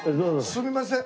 すみません。